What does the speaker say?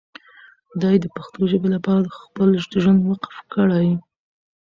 دی د پښتو ژبې لپاره خپل ژوند وقف کړی.